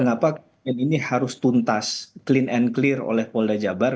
mengapa kemudian ini harus tuntas clean and clear oleh polda jabar